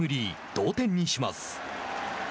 同点にします。